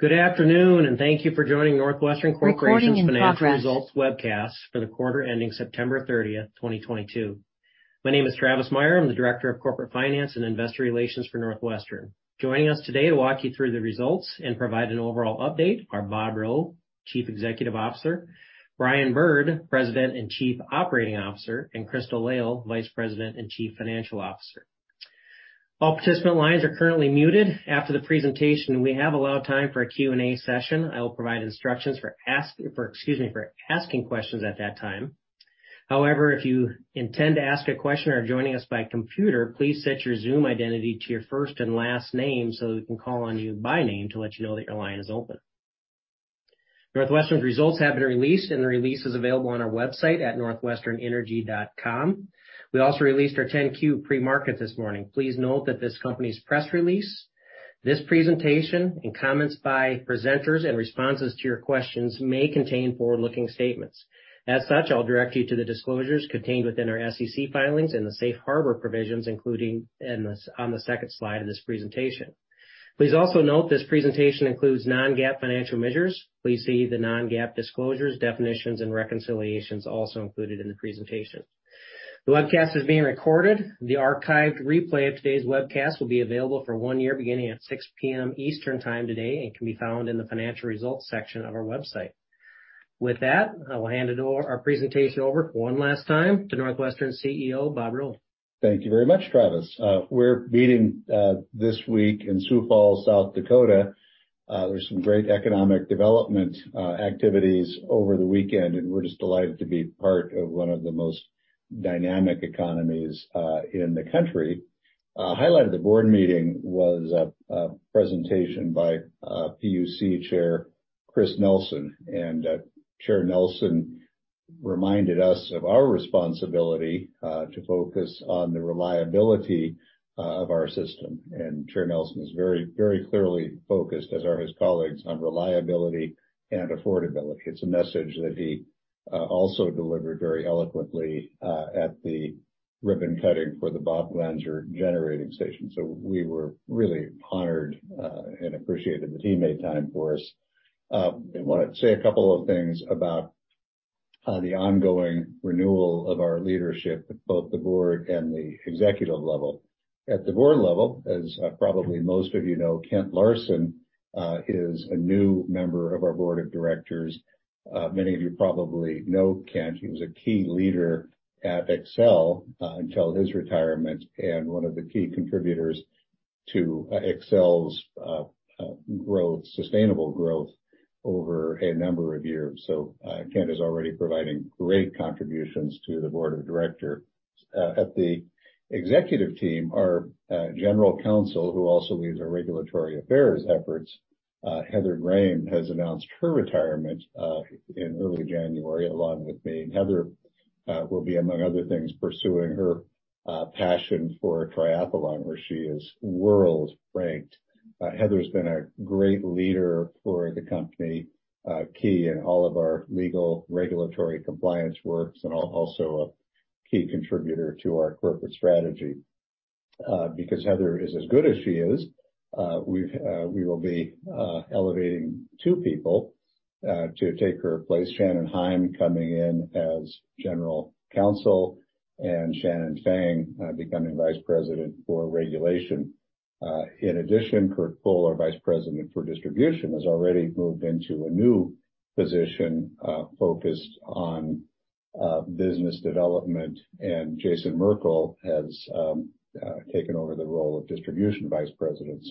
Good afternoon, and thank you for joining NorthWestern Corporation's- Recording in progress Financial results webcast for the Quarter Ending September 30, 2022. My name is Travis Meyer. I'm the Director of Corporate Finance and Investor Relations for NorthWestern Energy. Joining us today to walk you through the results and provide an overall update are Bob Rowe, Chief Executive Officer, Brian Bird, President and Chief Operating Officer, and Crystal Lail, Vice President and Chief Financial Officer. All participant lines are currently muted. After the presentation, we have allowed time for a Q&A session. I will provide instructions, excuse me, for asking questions at that time. However, if you intend to ask a question or are joining us by computer, please set your Zoom identity to your first and last name, so we can call on you by name to let you know that your line is open. NorthWestern's results have been released, and the release is available on our website at northwesternenergy.com. We also released our 10-Q pre-market this morning. Please note that this company's press release, this presentation, and comments by presenters, and responses to your questions may contain forward-looking statements. As such, I'll direct you to the disclosures contained within our SEC filings and the Safe Harbor provisions, including on the second slide of this presentation. Please also note this presentation includes Non-GAAP financial measures. Please see the Non-GAAP disclosures, definitions, and reconciliations also included in the presentation. The webcast is being recorded. The archived replay of today's webcast will be available for one year beginning at 6 P.M. EST today and can be found in the financial results section of our website. With that, I will hand our presentation over one last time to NorthWestern CEO, Bob Rowe. Thank you very much, Travis. We're meeting this week in Sioux Falls, South Dakota. There were some great economic development activities over the weekend, and we're just delighted to be part of one of the most dynamic economies in the country. A highlight of the board meeting was a presentation by PUC Chair Chris Nelson. Chair Nelson reminded us of our responsibility to focus on the reliability of our system. Chair Nelson is very clearly focused, as are his colleagues, on reliability and affordability. It's a message that he also delivered very eloquently at the ribbon-cutting for the Bob Glanzer Generating Station. We were really honored and appreciated that he made time for us. I wanna say a couple of things about the ongoing renewal of our leadership at both the board and the executive level. At the board level, as probably most of you know, Kent Larson is a new member of our board of directors. Many of you probably know Kent. He was a key leader at Xcel Energy until his retirement and one of the key contributors to Xcel Energy's growth, sustainable growth over a number of years. Kent is already providing great contributions to the board of directors. At the executive team, our general counsel, who also leads our regulatory affairs efforts, Heather Grahame, has announced her retirement in early January, along with me. Heather will be, among other things, pursuing her passion for triathlon, where she is world-ranked. Heather's been a great leader for the company, key in all of our legal regulatory compliance works, and also a key contributor to our corporate strategy. Because Heather is as good as she is, we will be elevating two people to take her place. Shannon Heim coming in as General Counsel, and Cyndee Fang becoming Vice President for Regulatory. In addition, Curt Pohl, our Vice President for Distribution, has already moved into a new position focused on business development, and Jason Merkel has taken over the role of Distribution Vice President.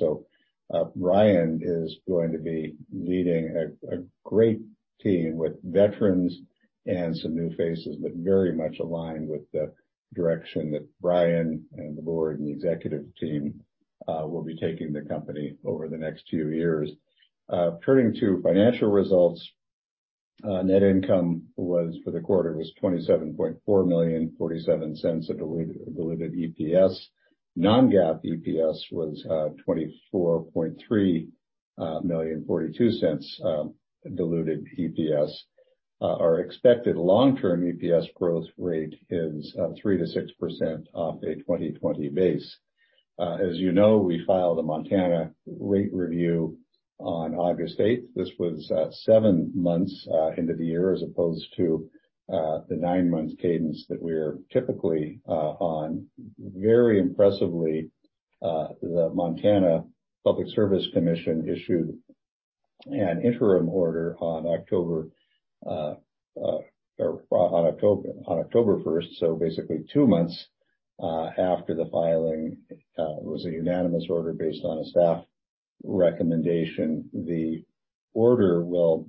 Brian is going to be leading a great team with veterans and some new faces that very much align with the direction that Brian and the board and the executive team will be taking the company over the next two years. Turning to financial results, net income was for the quarter $27.4 million, $0.47 diluted EPS. Non-GAAP EPS was $24.3 million, $0.42 diluted EPS. Our expected long-term EPS growth rate is 3% - 6% off a 2020 base. As you know, we filed a Montana rate review on August 8. This was seven months into the year as opposed to the 9-month cadence that we're typically on. Very impressively, the Montana Public Service Commission issued an interim order on October 1, so basically two months after the filing. It was a unanimous order based on a staff recommendation. The order will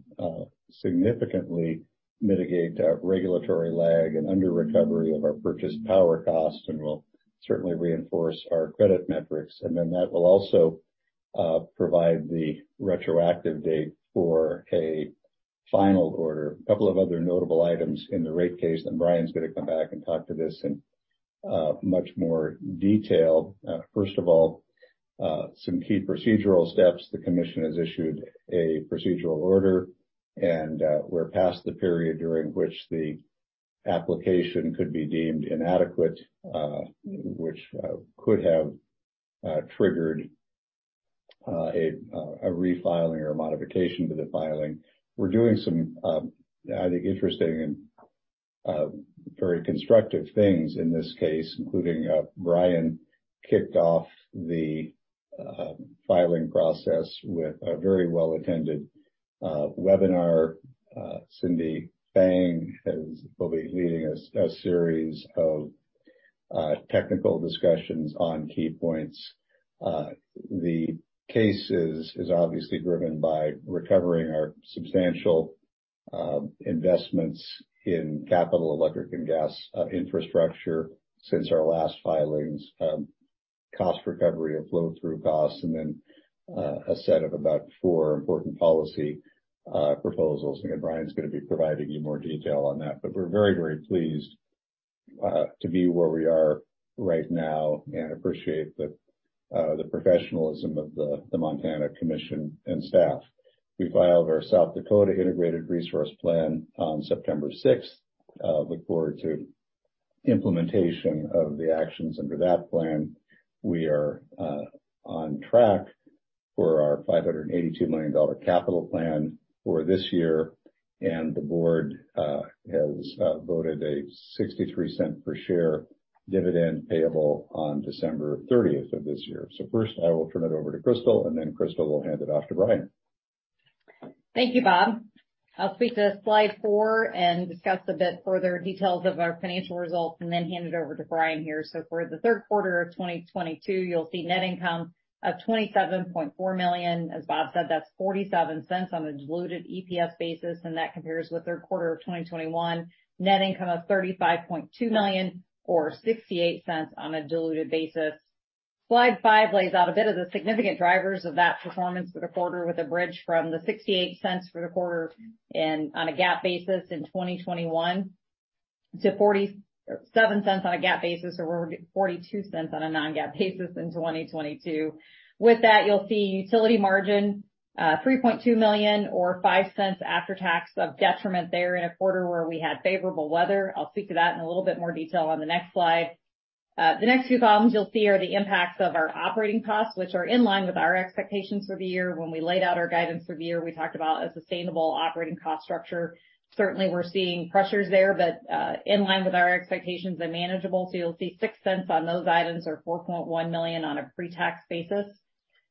significantly mitigate our regulatory lag and under-recovery of our purchased power costs and will certainly reinforce our credit metrics. That will also provide the retroactive date for a final order. A couple of other notable items in the rate case, then Brian's gonna come back and talk to this in much more detail. First of all, some key procedural steps. The commission has issued a procedural order, and we're past the period during which the application could be deemed inadequate, which could have triggered a refiling or a modification to the filing. We're doing some, I think, interesting and very constructive things in this case, including Brian kicked off the filing process with a very well-attended webinar. Cyndee Fang will be leading a series of technical discussions on key points. The case is obviously driven by recovering our substantial investments in CapEx electric and gas infrastructure since our last filings, cost recovery of flow-through costs, and then a set of about four important policy proposals. Again, Brian's gonna be providing you more detail on that. We're very pleased to be where we are right now and appreciate the professionalism of the Montana Commission and staff. We filed our South Dakota Integrated Resource Plan on September sixth. Look forward to implementation of the actions under that plan. We are on track for our $582 million capital plan for this year, and the board has voted a $0.63 per share dividend payable on December 30 of this year. First, I will turn it over to Crystal, and then Crystal will hand it off to Brian. Thank you, Bob. I'll flip to slide four and discuss a bit further details of our financial results, and then hand it over to Brian here. For the Q3 of 2022, you'll see net income of $27.4 million. As Bob said, that's $0.47 on a diluted EPS basis, and that compares with Q3 of 2021 net income of $35.2 million or $0.68 on a diluted basis. Slide five lays out a bit of the significant drivers of that performance for the quarter with a bridge from the 68 cents for the quarter and on a GAAP basis in 2021 to 47 cents on a GAAP basis, or we're at 42 cents on a Non-GAAP basis in 2022. With that, you'll see utility margin, $3.2 million or $0.05 after tax of detriment there in a quarter where we had favorable weather. I'll speak to that in a little bit more detail on the next slide. The next two columns you'll see are the impacts of our operating costs, which are in line with our expectations for the year. When we laid out our guidance for the year, we talked about a sustainable operating cost structure. Certainly, we're seeing pressures there, but in line with our expectations and manageable. You'll see $0.06 on those items, or $4.1 million on a pre-tax basis.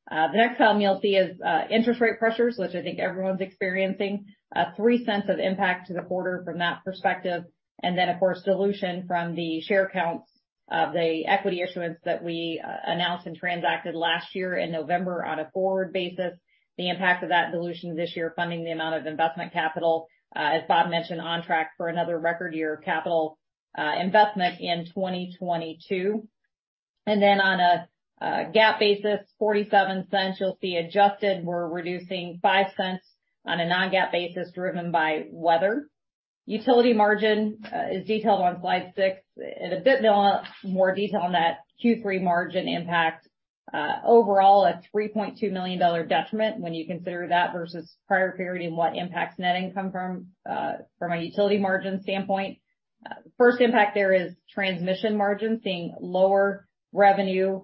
The next column you'll see is interest rate pressures, which I think everyone's experiencing. $0.03 of impact to the quarter from that perspective. Of course, dilution from the share counts of the equity issuance that we announced and transacted last year in November on a forward basis. The impact of that dilution this year funding the amount of investment capital, as Bob mentioned, on track for another record year of capital investment in 2022. On a GAAP basis, $0.47 you'll see adjusted. We're reducing $0.05 on a Non-GAAP basis driven by weather. Utility margin is detailed on slide 6. A bit more detail on that Q3 margin impact. Overall, a $3.2 million detriment when you consider that versus prior period and what impacts net income from a utility margin standpoint. First impact there is transmission margin, seeing lower revenue,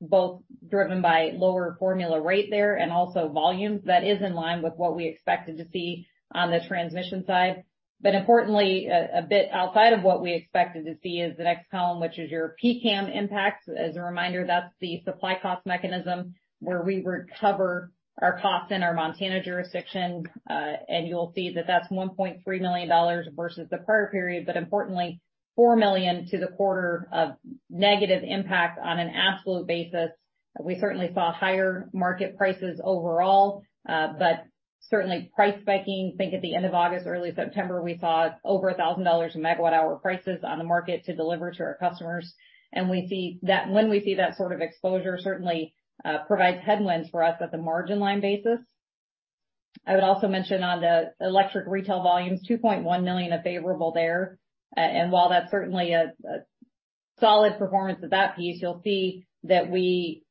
both driven by lower formula rate there and also volume. That is in line with what we expected to see on the transmission side. Importantly, a bit outside of what we expected to see is the next column, which is your PCCAM impact. As a reminder, that's the supply cost mechanism where we recover our costs in our Montana jurisdiction. You'll see that that's $1.3 million versus the prior period, but importantly, $4 million to the quarter of negative impact on an absolute basis. We certainly saw higher market prices overall, but certainly price spiking. Think at the end of August, early September, we saw over $1,000 a MWh prices on the market to deliver to our customers. We see that, when we see that sort of exposure, certainly, provides headwinds for us at the margin line basis. I would also mention on the electric retail volumes, $2.1 million of favorable there. While that's certainly a solid performance of that piece, you'll see that we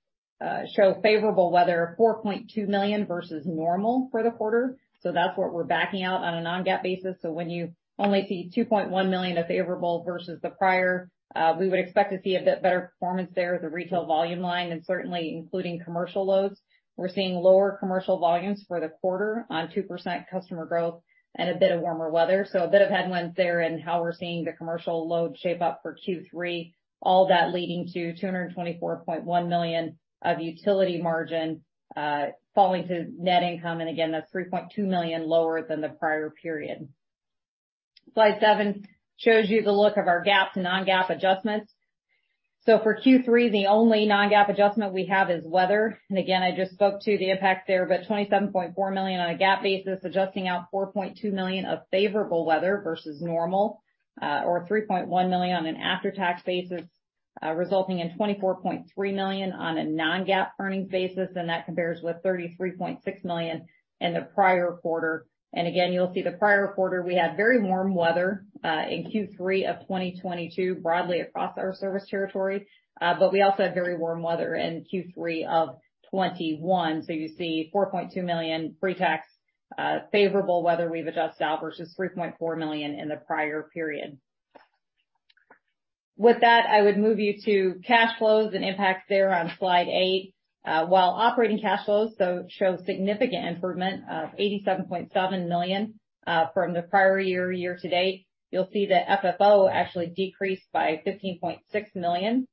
show favorable weather, $4.2 million versus normal for the quarter. That's what we're backing out on a Non-GAAP basis. When you only see $2.1 million of favorable versus the prior, we would expect to see a bit better performance there at the retail volume line and certainly including commercial loads. We're seeing lower commercial volumes for the quarter on 2% customer growth and a bit of warmer weather. A bit of headwinds there in how we're seeing the commercial load shape up for Q3, all that leading to $224.1 million of utility margin, falling to net income. Again, that's $3.2 million lower than the prior period. Slide seven shows you the look of our GAAP to Non-GAAP adjustments. For Q3, the only Non-GAAP adjustment we have is weather. Again, I just spoke to the impact there, but $27.4 million on a GAAP basis, adjusting out $4.2 million of favorable weather versus normal, or $3.1 million on an after-tax basis, resulting in $24.3 million on a Non-GAAP earnings basis, and that compares with $33.6 million in the prior quarter. Again, you'll see the prior quarter, we had very warm weather in Q3 of 2022 broadly across our service territory, but we also had very warm weather in Q3 of 2021. You see $4.2 million pre-tax favorable weather we've adjusted out versus $3.4 million in the prior period. With that, I would move you to cash flows and impacts there on slide 8. While operating cash flows though show significant improvement of $87.7 million from the prior year to date, you'll see that FFO actually decreased by $15.6 million.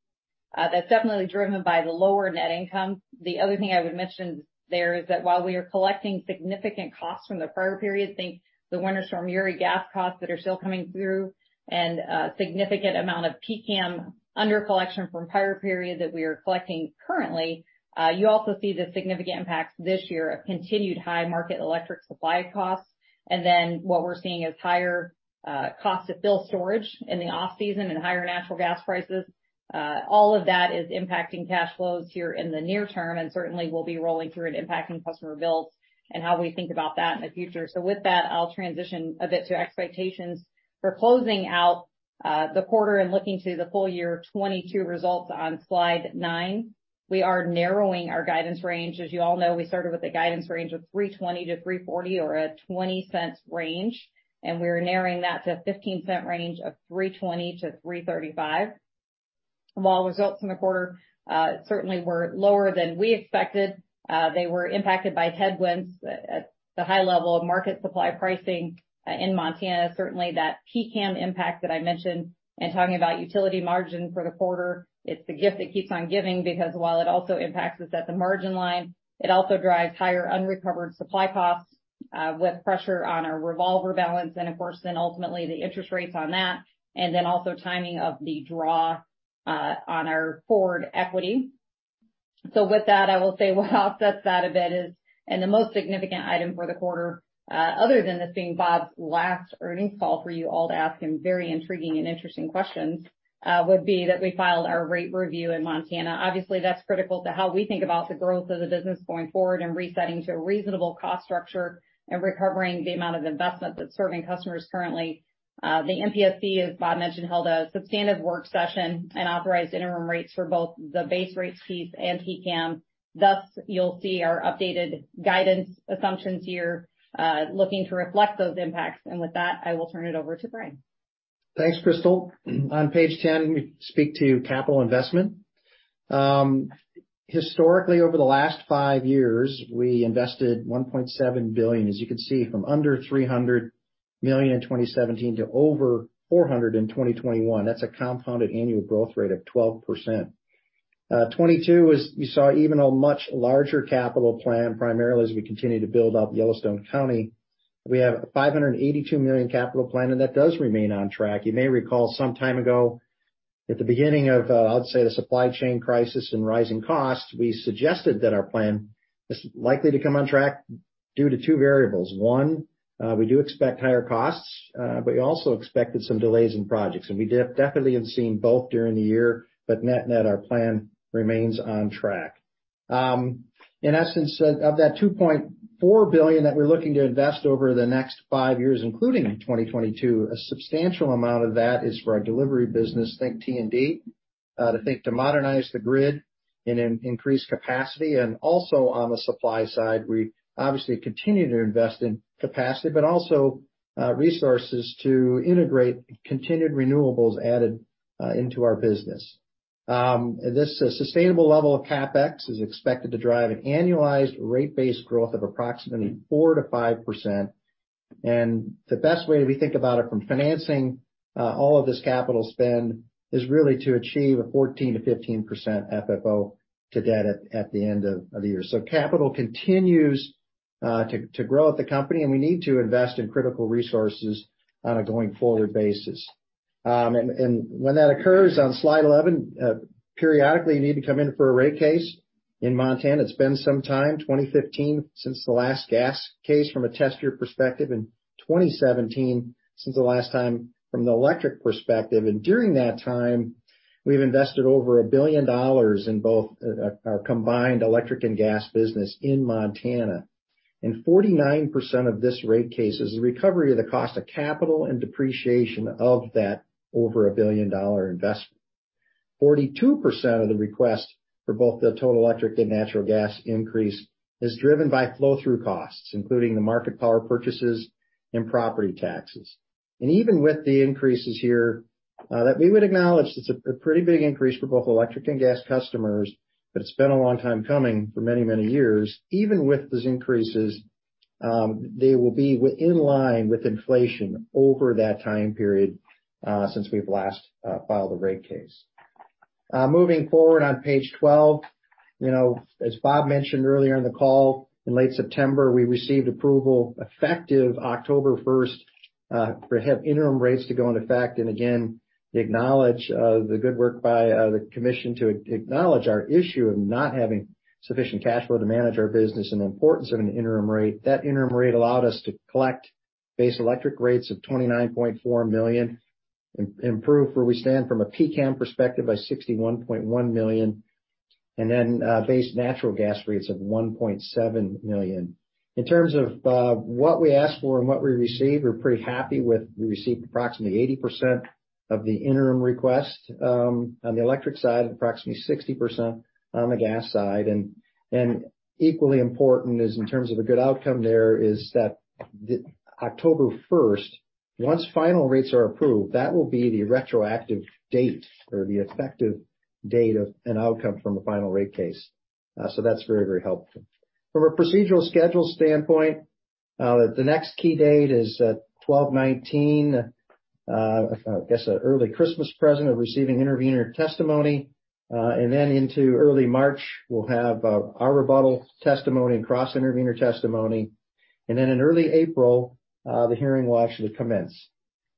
That's definitely driven by the lower net income. The other thing I would mention there is that while we are collecting significant costs from the prior period, including the Winter Storm Uri gas costs that are still coming through and significant amount of PCCAM under collection from prior periods that we are collecting currently. You also see the significant impacts this year of continued high market electric supply costs. What we're seeing is higher cost to build storage in the off-season and higher natural gas prices. All of that is impacting cash flows here in the near term, and certainly will be rolling through and impacting customer bills and how we think about that in the future. With that, I'll transition a bit to expectations for closing out the quarter and looking to the full year 2022 results on Slide nine. We are narrowing our guidance range. As you all know, we started with a guidance range of $3.20-$3.40 or a 20-cent range, and we're narrowing that to 15-cent range of $3.20-$3.35. While results from the quarter certainly were lower than we expected, they were impacted by headwinds at the high level of market supply pricing in Montana. Certainly that PCCAM impact that I mentioned and talking about utility margin for the quarter, it's the gift that keeps on giving, because while it also impacts us at the margin line, it also drives higher unrecovered supply costs, with pressure on our revolver balance and of course, then ultimately the interest rates on that, and then also timing of the draw on our forward equity. With that, I'll set that aside a bit, and the most significant item for the quarter, other than this being Bob's last earnings call for you all to ask him very intriguing and interesting questions, would be that we filed our rate review in Montana. Obviously, that's critical to how we think about the growth of the business going forward and resetting to a reasonable cost structure and recovering the amount of investment that's serving customers currently. The MPSC, as Bob mentioned, held a substantive work session and authorized interim rates for both the base rates piece and PCCAM. Thus, you'll see our updated guidance assumptions here, looking to reflect those impacts. With that, I will turn it over to Brian. Thanks, Crystal. On page 10, we speak to capital investment. Historically, over the last five years, we invested $1.7 billion. As you can see, from under $300 million in 2017 to over $400 million in 2021. That's a compounded annual growth rate of 12%. 2022, you saw even a much larger capital plan, primarily as we continue to build out Yellowstone County. We have a $582 million capital plan, and that does remain on track. You may recall some time ago, at the beginning of, I'd say, the supply chain crisis and rising costs, we suggested that our plan is likely to come in on track due to two variables. One, we do expect higher costs, but we also expected some delays in projects. We definitely have seen both during the year, but net net our plan remains on track. In essence, of that $2.4 billion that we're looking to invest over the next five years, including in 2022, a substantial amount of that is for our delivery business, think T&D, to modernize the grid and increase capacity. On the supply side, we obviously continue to invest in capacity, but also, resources to integrate continued renewables added into our business. This sustainable level of CapEx is expected to drive an annualized rate-based growth of approximately 4% -5%. The best way we think about it from financing, all of this capital spend is really to achieve a 14%-15% FFO to debt at the end of the year. Capital continues to grow at the company, and we need to invest in critical resources on a going forward basis. When that occurs on slide 11, periodically, you need to come in for a rate case. In Montana, it's been some time, 2015 since the last gas case from a test year perspective, and 2017 since the last time from the electric perspective. During that time, we've invested over $1 billion in both our combined electric and gas business in Montana. 49% of this rate case is the recovery of the cost of capital and depreciation of that over $1 billion investment. 42% of the request for both the total electric and natural gas increase is driven by flow-through costs, including the market power purchases and property taxes. Even with the increases here, that we would acknowledge it's a pretty big increase for both electric and gas customers, but it's been a long time coming for many, many years. Even with these increases, they will be in line with inflation over that time period, since we've last filed a rate case. Moving forward on page 12, you know, as Bob mentioned earlier in the call, in late September, we received approval effective October 1 for our interim rates to go into effect. Again, acknowledge the good work by the commission to acknowledge our issue of not having sufficient cash flow to manage our business and the importance of an interim rate. That interim rate allowed us to collect base electric rates of $29.4 million, improve where we stand from a CapEx perspective by $61.1 million, and then base natural gas rates of $1.7 million. In terms of what we ask for and what we receive, we're pretty happy with what we received approximately 80% of the interim request on the electric side, and approximately 60% on the gas side. Equally important is in terms of a good outcome there is that the October first. Once final rates are approved, that will be the retroactive date or the effective date of an outcome from the final rate case. So that's very helpful. From a procedural schedule standpoint, the next key date is 12/19. I guess an early Christmas present of receiving intervener testimony. Into early March, we'll have our rebuttal testimony and cross-intervenor testimony. In early April, the hearing will actually commence.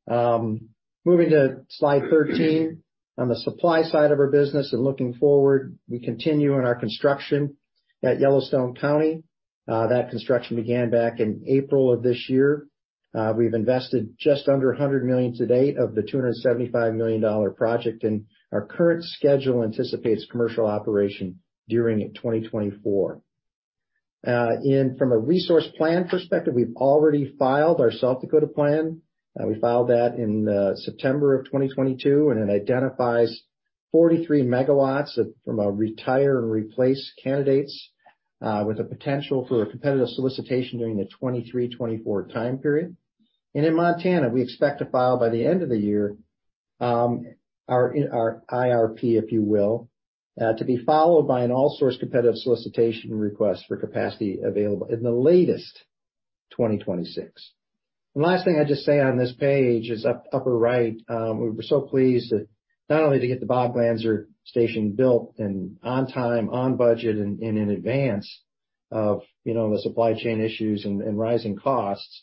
Moving to slide 13. On the supply side of our business and looking forward, we continue on our construction at Yellowstone County. That construction began back in April of this year. We've invested just under $100 million to date of the $275 million project, and our current schedule anticipates commercial operation during 2024. From a resource plan perspective, we've already filed our South Dakota plan. We filed that in September of 2022, and it identifies 43 MW from retire-and-replace candidates with a potential for a competitive solicitation during the 2023-2024 time period. In Montana, we expect to file by the end of the year, our IRP, if you will, to be followed by an all-source competitive solicitation request for capacity available in late 2026. The last thing I'd just say on this page is upper right. We're so pleased that not only to get the Bob Glanzer station built and on time, on budget, and in advance of, you know, the supply chain issues and rising costs.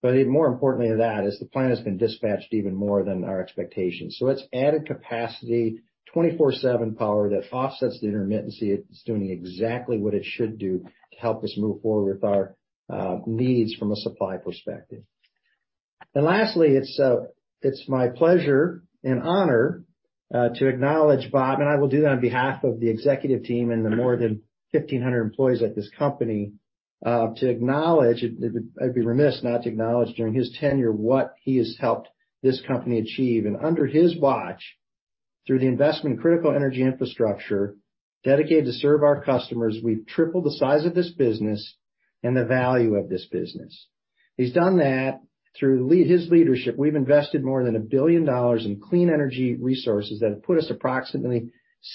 But more importantly to that is the plant has been dispatched even more than our expectations. So it's added capacity, 24/7 power that offsets the intermittency. It's doing exactly what it should do to help us move forward with our needs from a supply perspective. Lastly, it's my pleasure and honor to acknowledge Bob, and I will do that on behalf of the executive team and the more than 1,500 employees at this company to acknowledge it. I'd be remiss not to acknowledge during his tenure what he has helped this company achieve. Under his watch, through the investment in critical energy infrastructure dedicated to serve our customers, we've tripled the size of this business and the value of this business. He's done that through his leadership. We've invested more than $1 billion in clean energy resources that have put us approximately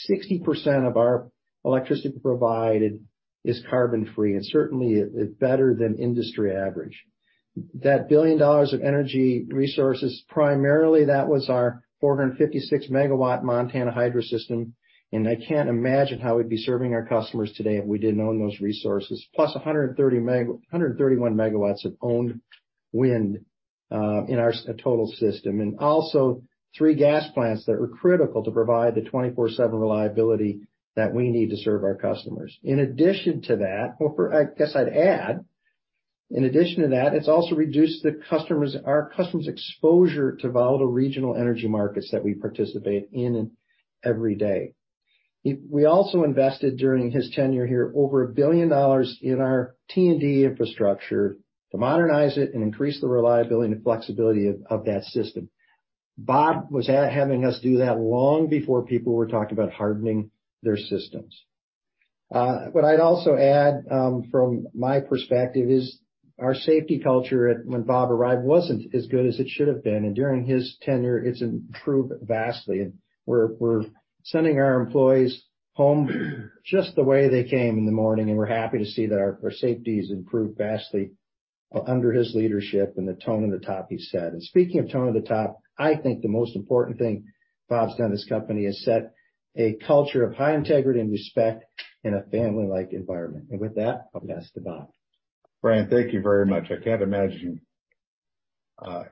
60% of our electricity provided is carbon free. Certainly it's better than industry average. $1 billion of energy resources, primarily that was our 456 MW Montana hydro system, and I can't imagine how we'd be serving our customers today if we didn't own those resources. Plus 131 MW of owned wind in our total system, and also three gas plants that were critical to provide the 24/7 reliability that we need to serve our customers. In addition to that, well, I guess I'd add, it's also reduced our customers' exposure to volatile regional energy markets that we participate in every day. We also invested during his tenure here over $1 billion in our T&D infrastructure to modernize it and increase the reliability and flexibility of that system. Bob was having us do that long before people were talking about hardening their systems. What I'd also add from my perspective is our safety culture when Bob arrived wasn't as good as it should have been, and during his tenure, it's improved vastly. We're sending our employees home just the way they came in the morning, and we're happy to see that our safety has improved vastly under his leadership and the tone at the top he's set. Speaking of tone at the top, I think the most important thing Bob's done at this company is set a culture of high integrity and respect in a family-like environment. With that, I'll pass to Bob. Brian, thank you very much. I can't imagine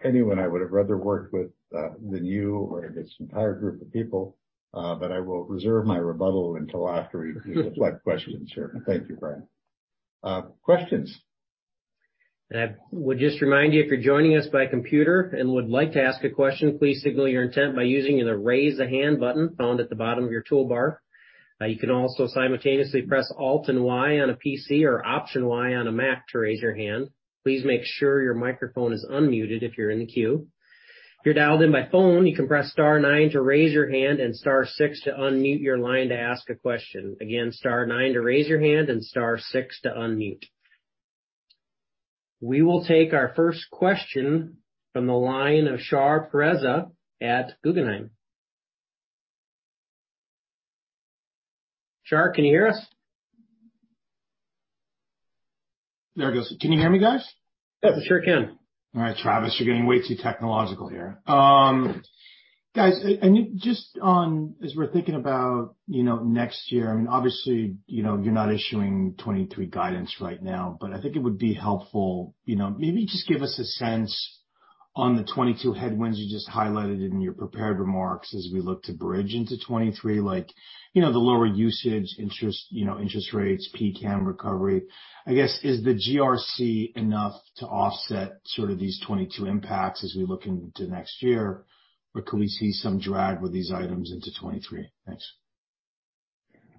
anyone I would have rather worked with than you or this entire group of people. I will reserve my rebuttal until after you field questions here. Thank you, Brian. Questions? I would just remind you, if you're joining us by computer and would like to ask a question, please signal your intent by using the Raise a Hand button found at the bottom of your toolbar. You can also simultaneously press Alt and Y on a PC or Option Y on a Mac to raise your hand. Please make sure your microphone is unmuted if you're in the queue. If you're dialed in by phone, you can press star nine to raise your hand and *6 to unmute your line to ask a question. Again, *9 to raise your hand and star six to unmute. We will take our first question from the line of Shar Pourreza at Guggenheim. Shar, can you hear us? There it goes. Can you hear me guys? Yes, we sure can. All right, Travis, you're getting way too technological here. Guys, just on as we're thinking about, you know, next year, I mean, obviously, you know, you're not issuing 2023 guidance right now, but I think it would be helpful, you know, maybe just give us a sense on the 2022 headwinds you just highlighted in your prepared remarks as we look to bridge into 2023. Like, you know, the lower usage interest, you know, interest rates, PCCAM recovery. I guess, is the GRC enough to offset sort of these 2022 impacts as we look into next year? Or could we see some drag with these items into 2023? Thanks.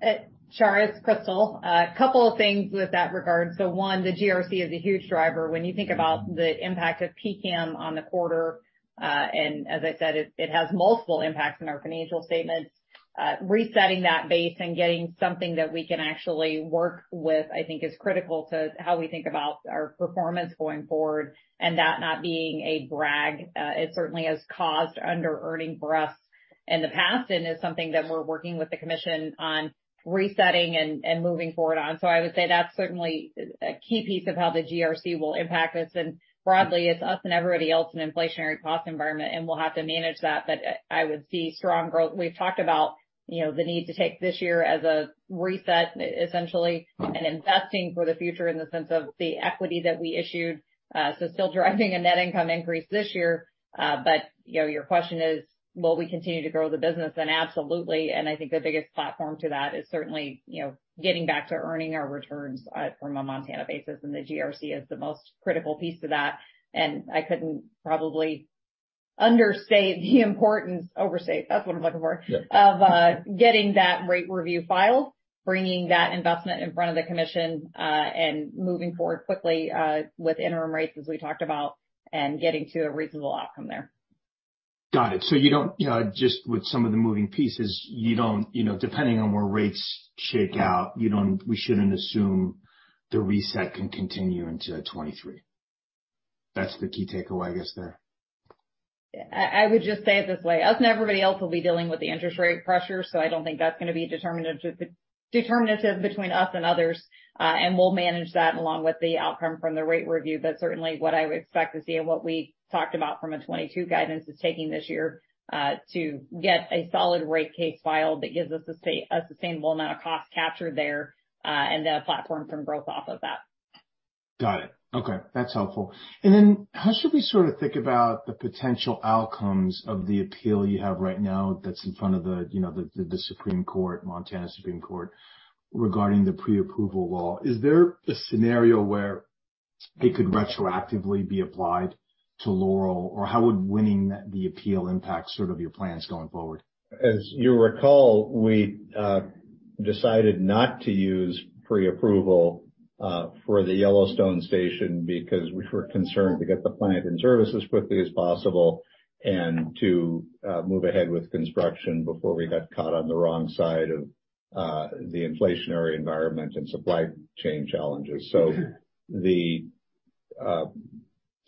Shar, it's Crystal. A couple of things in that regard. One, the GRC is a huge driver. When you think about the impact of PCCAM on the quarter, and as I said, it has multiple impacts in our financial statements. Resetting that base and getting something that we can actually work with, I think is critical to how we think about our performance going forward, and that not being a brag. It certainly has caused under-earning for us in the past, and is something that we're working with the commission on resetting and moving forward on. I would say that's certainly a key piece of how the GRC will impact us. Broadly, it's us and everybody else in an inflationary cost environment, and we'll have to manage that. I would see strong growth. We've talked about, you know, the need to take this year as a reset, essentially, and investing for the future in the sense of the equity that we issued. Still driving a net income increase this year. You know, your question is, will we continue to grow the business? Absolutely. I think the biggest platform to that is certainly, you know, getting back to earning our returns from a Montana basis, and the GRC is the most critical piece to that. I couldn't probably overstate the importance. That's the word I'm looking for. Yeah. of getting that rate review filed, bringing that investment in front of the commission, and moving forward quickly, with interim rates, as we talked about, and getting to a reasonable outcome there. Got it. You don't just with some of the moving pieces, you don't, you know, depending on where rates shake out, we shouldn't assume the reset can continue into 2023? That's the key takeaway, I guess, there. I would just say it this way. Us and everybody else will be dealing with the interest rate pressure, so I don't think that's gonna be determinative between us and others. We'll manage that along with the outcome from the rate review. Certainly what I would expect to see and what we talked about from a 2022 guidance is taking this year to get a solid rate case filed that gives us a sustainable amount of cost capture there, and then a platform from growth off of that. Got it. Okay. That's helpful. Then how should we sort of think about the potential outcomes of the appeal you have right now that's in front of the, you know, the Supreme Court, Montana Supreme Court, regarding the pre-approval law? Is there a scenario where it could retroactively be applied to Laurel? Or how would winning the appeal impact sort of your plans going forward? As you recall, we decided not to use pre-approval for the Yellowstone Station because we were concerned to get the plant in service as quickly as possible and to move ahead with construction before we got caught on the wrong side of the inflationary environment and supply chain challenges. The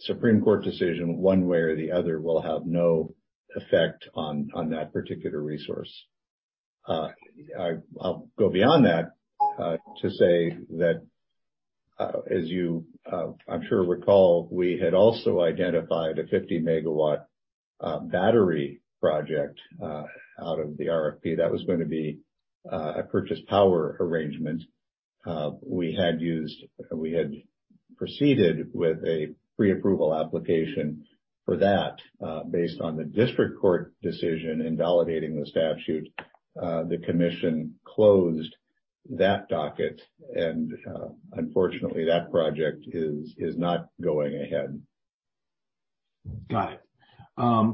Supreme Court decision, one way or the other, will have no effect on that particular resource. I'll go beyond that to say that as you, I'm sure, recall, we had also identified a 50-MW battery project out of the RFP that was going to be a power purchase agreement. We had proceeded with a pre-approval application for that. Based on the district court decision invalidating the statute, the commission closed that docket and, unfortunately, that project is not going ahead. Got it.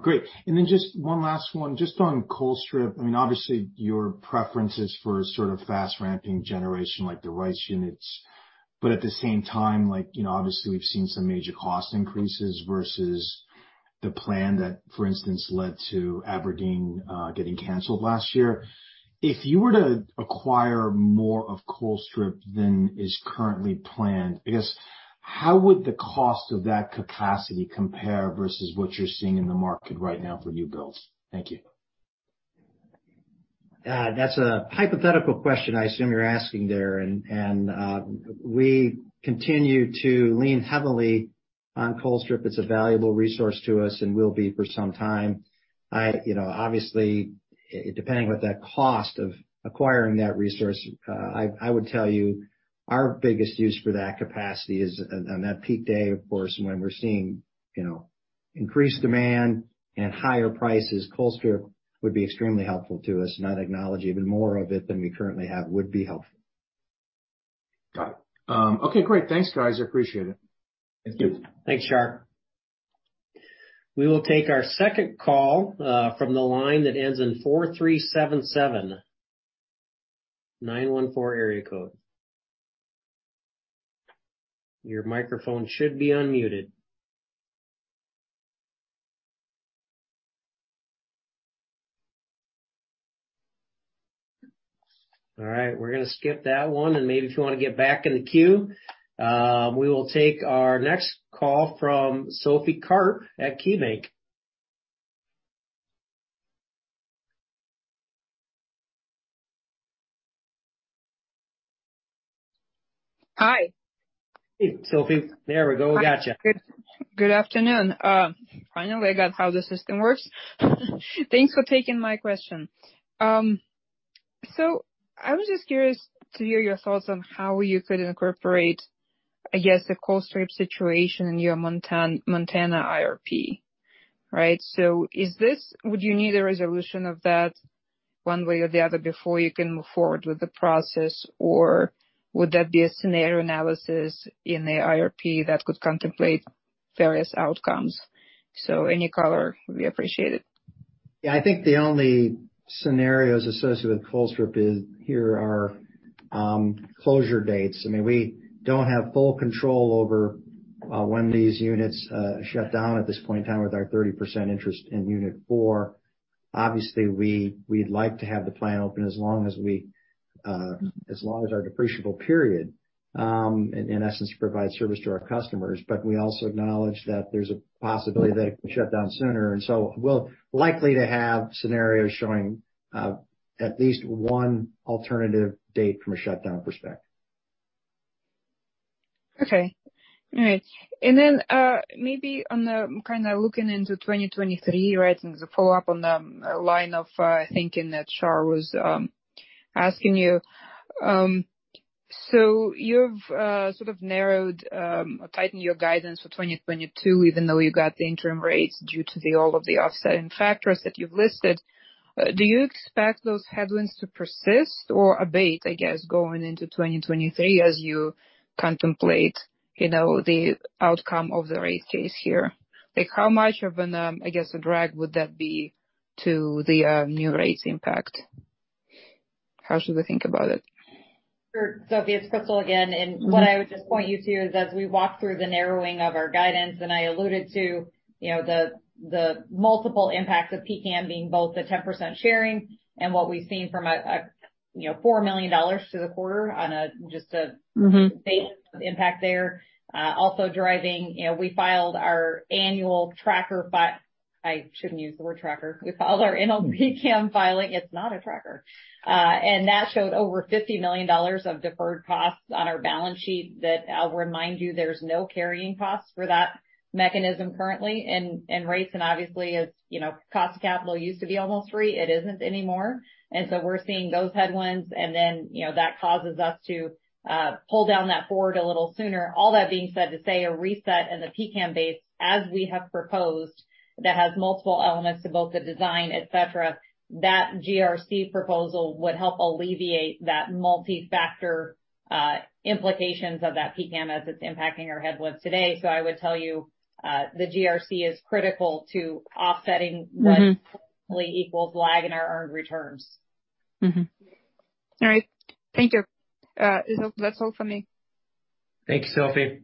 Great. Just one last one, just on Colstrip. I mean, obviously, your preference is for sort of fast-ramping generation like the RICE units. But at the same time, like, you know, obviously we've seen some major cost increases versus the plan that, for instance, led to Aberdeen getting canceled last year. If you were to acquire more of Colstrip than is currently planned, I guess, how would the cost of that capacity compare versus what you're seeing in the market right now for new builds? Thank you. That's a hypothetical question I assume you're asking there. We continue to lean heavily on Colstrip. It's a valuable resource to us and will be for some time. You know, obviously, depending what that cost of acquiring that resource, I would tell you our biggest use for that capacity is on that peak day, of course, when we're seeing, you know, increased demand and higher prices, Colstrip would be extremely helpful to us, and I'd acknowledge even more of it than we currently have would be helpful. Got it. Okay, great. Thanks, guys, I appreciate it. Thank you. Thanks, Shar. We will take our second call from the line that ends in 4377, 914 area code. Your microphone should be unmuted. All right, we're gonna skip that one, and maybe if you wanna get back in the queue. We will take our next call from Sophie Karp at KeyBanc. Hi. Hey, Sophie. There we go. Gotcha. Good. Good afternoon. Finally I got how the system works. Thanks for taking my question. I was just curious to hear your thoughts on how you could incorporate, I guess, the Colstrip situation in your Montana IRP. Right? Would you need a resolution of that one way or the other before you can move forward with the process? Or would that be a scenario analysis in the IRP that could contemplate various outcomes? Any color would be appreciated. Yeah, I think the only scenarios associated with Colstrip are closure dates. I mean, we don't have full control over when these units shut down at this point in time with our 30% interest in Unit 4. Obviously, we'd like to have the plant open as long as our depreciable period, in essence, to provide service to our customers. But we also acknowledge that there's a possibility that it could shut down sooner. We'll likely have scenarios showing at least one alternative date from a shutdown perspective. Okay. All right. Maybe on the kinda looking into 2023, right? In the follow-up on the line of thinking that Shar was asking you. So you've sort of narrowed or tightened your guidance for 2022, even though you got the interim rates due to all of the offsetting factors that you've listed. Do you expect those headwinds to persist or abate, I guess, going into 2023 as you contemplate, you know, the outcome of the rate case here? Like, how much of an, I guess, a drag would that be to the new rate impact? How should we think about it? Sure, Sophie, it's Crystal again. What I would just point you to is, as we walk through the narrowing of our guidance, and I alluded to, you know, the multiple impacts of PCCAM being both the 10% sharing and what we've seen from, you know, $4 million to the quarter on a, just a- Base impact there. Also driving, you know, I shouldn't use the word tracker. We filed our annual PCCAM filing. It's not a tracker. That showed over $50 million of deferred costs on our balance sheet that I'll remind you there's no carrying costs for that mechanism currently in rates. Obviously, as you know, cost of capital used to be almost free. It isn't anymore. We're seeing those headwinds. You know, that causes us to pull down that forward a little sooner. All that being said to say a reset in the PCCAM base, as we have proposed, that has multiple elements to both the design, et cetera, that GRC proposal would help alleviate that multifactor implications of that PCCAM as it's impacting our headwinds today. I would tell you, the GRC is critical to offsetting. What hopefully equals lag in our earned returns. All right. Thank you. That's all for me. Thank you, Sophie.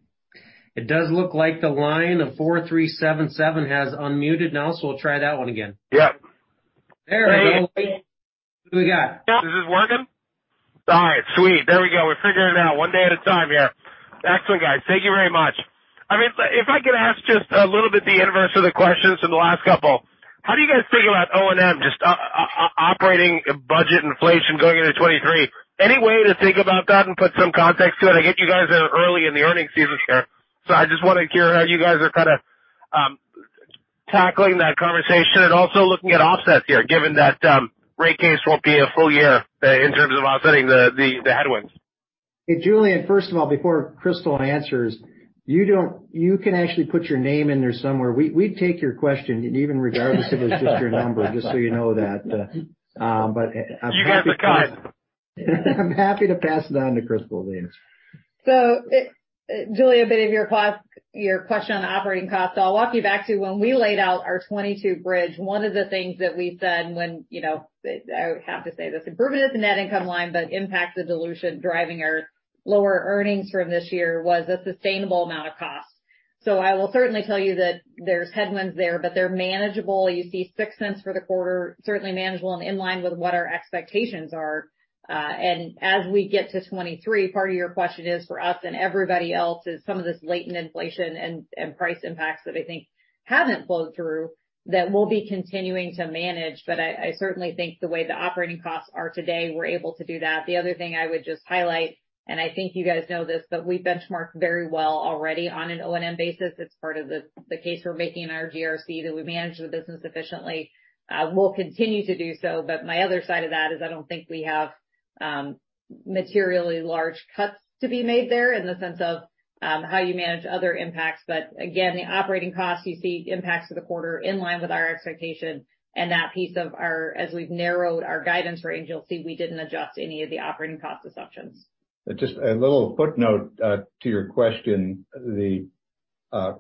It does look like the line of 4377 has unmuted now, so we'll try that one again. Yeah. There we go. Who do we got? Is this working? All right. Sweet. There we go. We're figuring it out one day at a time here. Excellent, guys. Thank you very much. I mean, if I could ask just a little bit the inverse of the questions from the last couple. How do you guys think about O&M, just operating budget inflation going into 2023? Any way to think about that and put some context to it? I get you guys are early in the earnings season here, so I just want to hear how you guys are kind of tackling that conversation and also looking at offsets here, given that rate case won't be a full year in terms of offsetting the headwinds. Hey, Julien, first of all, before Crystal answers, you can actually put your name in there somewhere. We take your question even regardless if it's just your number, just so you know that. But I'm happy to- You guys are kind. I'm happy to pass it on to Crystal then. Julien, a bit of your question on the operating cost. I'll walk you back to when we laid out our 2022 bridge, one of the things that we said when, you know, I have to say this, it burdened the net income line but impacted dilution driving our lower earnings from this year was a sustainable amount of cost. I will certainly tell you that there's headwinds there, but they're manageable. You see $0.06 for the quarter, certainly manageable and in line with what our expectations are. As we get to 2023, part of your question is for us and everybody else is some of this latent inflation and price impacts that I think haven't flowed through that we'll be continuing to manage. I certainly think the way the operating costs are today, we're able to do that. The other thing I would just highlight, and I think you guys know this, but we benchmark very well already on an O&M basis. It's part of the case we're making in our GRC, that we manage the business efficiently. We'll continue to do so. My other side of that is I don't think we have materially large cuts to be made there in the sense of how you manage other impacts. Again, the operating costs, you see impacts to the quarter in line with our expectation. That piece of our as we've narrowed our guidance range, you'll see we didn't adjust any of the operating cost assumptions. Just a little footnote to your question. The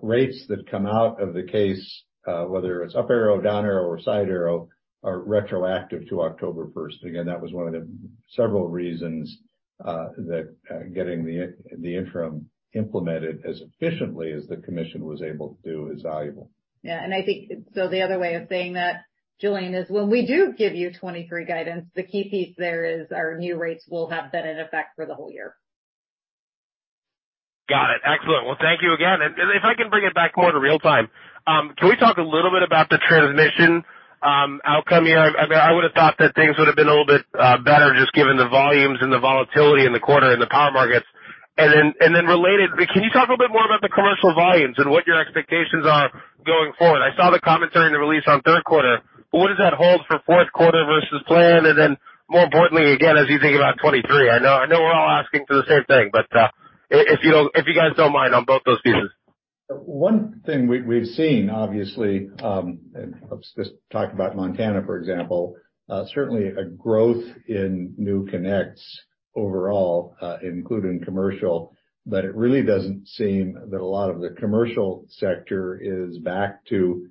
rates that come out of the case, whether it's up arrow, down arrow, or side arrow, are retroactive to October first. Again, that was one of the several reasons that getting the interim implemented as efficiently as the commission was able to do is valuable. The other way of saying that, Julien, is when we do give you 2023 guidance, the key piece there is our new rates will have been in effect for the whole year. Got it. Excellent. Well, thank you again. If I can bring it back more to real time, can we talk a little bit about the transmission outcome here? I mean, I would've thought that things would've been a little bit better just given the volumes and the volatility in the quarter in the power markets. Then related, can you talk a little bit more about the commercial volumes and what your expectations are going forward? I saw the commentary in the release on third quarter, but what does that hold for fourth quarter versus plan? Then more importantly, again, as you think about 2023. I know we're all asking for the same thing, but if you guys don't mind on both those pieces. One thing we've seen, obviously, and let's just talk about Montana, for example. Certainly a growth in new connects overall, including commercial, but it really doesn't seem that a lot of the commercial sector is back to.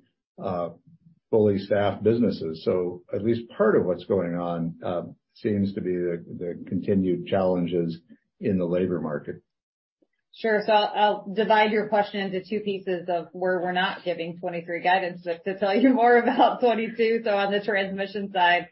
Fully staffed businesses. At least part of what's going on seems to be the continued challenges in the labor market. Sure. I'll divide your question into two pieces of where we're not giving 2023 guidance, but to tell you more about 2022. On the transmission side,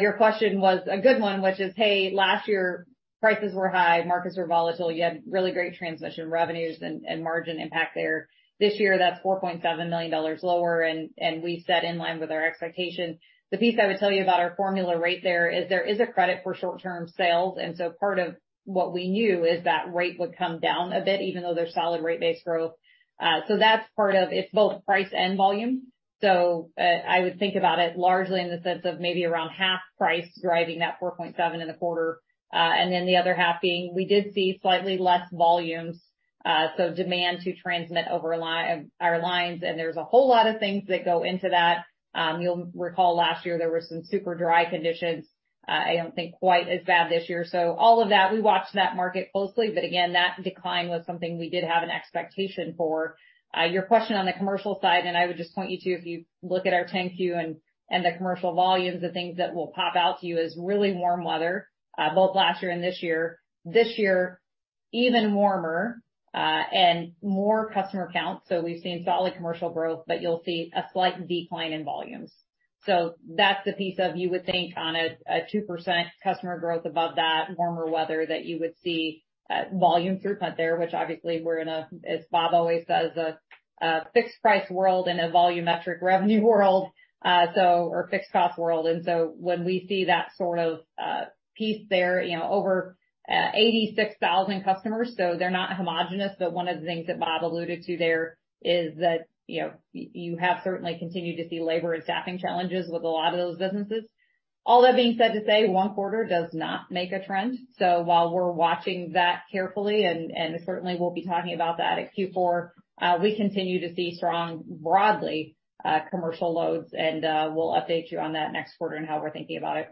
your question was a good one, which is, hey, last year prices were high, markets were volatile, you had really great transmission revenues and margin impact there. This year, that's $4.7 million lower and we said in line with our expectation. The piece I would tell you about our formula rate there is a credit for short-term sales, and part of what we knew is that rate would come down a bit, even though there's solid rate base growth. That's part of it is both price and volume. I would think about it largely in the sense of maybe around half price driving that 4.7 in the quarter, and then the other half being we did see slightly less volumes, so demand to transmit over our lines, and there's a whole lot of things that go into that. You'll recall last year there were some super dry conditions. I don't think quite as bad this year. All of that, we watched that market closely, but again, that decline was something we did have an expectation for. Your question on the commercial side, and I would just point you to, if you look at our 10-Q and the commercial volumes of things that will pop out to you is really warm weather, both last year and this year. This year, even warmer, and more customer count. We've seen solid commercial growth, but you'll see a slight decline in volumes. That's the piece that you would think on a 2% customer growth above that warmer weather that you would see volume throughput there, which obviously we're in a, as Bob always says, a fixed price world and a volumetric revenue world, so it's a fixed cost world. When we see that sort of piece there, you know, over 86,000 customers, so they're not homogeneous, but one of the things that Bob alluded to there is that, you know, you have certainly continued to see labor and staffing challenges with a lot of those businesses. All that being said to say, one quarter does not make a trend. While we're watching that carefully and certainly we'll be talking about that at Q4, we continue to see strong, broadly, commercial loads and we'll update you on that next quarter and how we're thinking about it.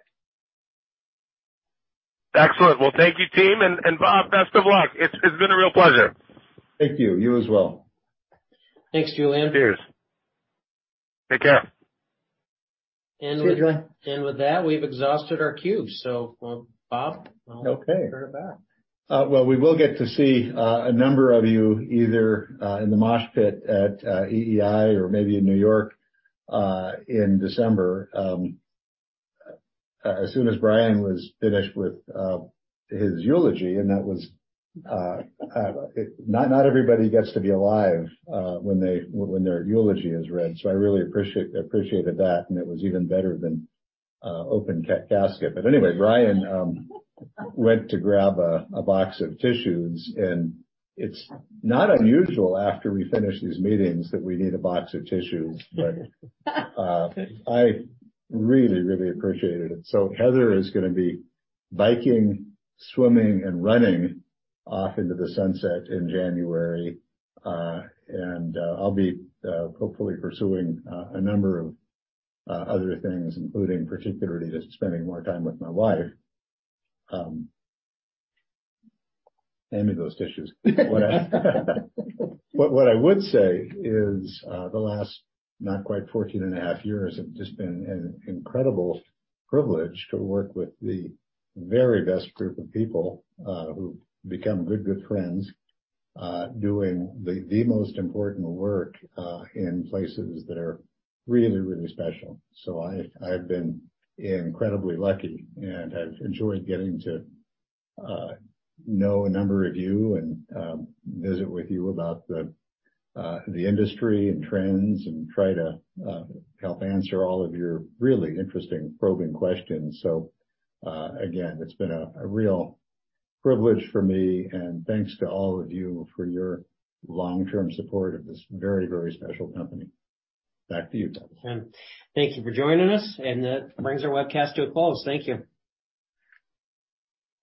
Excellent. Well, thank you, team and Bob, best of luck. It's been a real pleasure. Thank you. You as well. Thanks, Julien. Cheers. Take care. And with- See you, Julien. With that, we've exhausted our queue. Well, Bob, I'll turn it back. Okay. We will get to see a number of you either in the mosh pit at EEI or maybe in New York in December. As soon as Brian Bird was finished with his eulogy, and that was not everybody gets to be alive when their eulogy is read, so I really appreciated that, and it was even better than open casket. Anyway, Brian Bird went to grab a box of tissues, and it's not unusual after we finish these meetings that we need a box of tissues, but I really appreciated it. Heather Grahame is gonna be biking, swimming, and running off into the sunset in January. I'll be hopefully pursuing a number of other things, including particularly just spending more time with my wife. Hand me those tissues. What I would say is, the last not quite 14.5 years have just been an incredible privilege to work with the very best group of people, who've become good friends, doing the most important work in places that are really special. I've been incredibly lucky, and I've enjoyed getting to know a number of you and visit with you about the industry and trends and try to help answer all of your really interesting probing questions. Again, it's been a real privilege for me and thanks to all of you for your long-term support of this very special company. Back to you, Travis Meyer. Thank you for joining us, and that brings our webcast to a close. Thank you.